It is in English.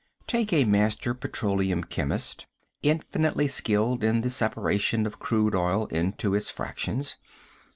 Take a master petroleum chemist, infinitely skilled in the separation of crude oil into its fractions.